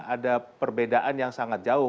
ada perbedaan yang sangat jauh